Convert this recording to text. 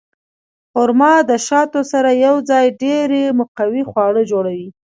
خرما د شاتو سره یوځای ډېر مقوي خواړه جوړوي.